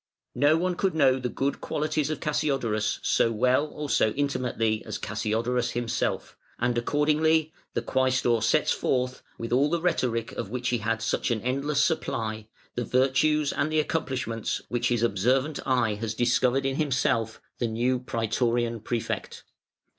No one could know the good qualities of Cassiodorus so well or so intimately as Cassiodorus himself, and accordingly the Quæstor sets forth, with all the rhetoric of which he had such an endless supply, the virtues and the accomplishments which his observant eye has discovered in himself, the new Prætorian Prefect.